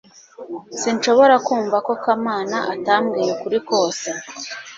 sinshobora kumva ko kamana atambwiye ukuri kose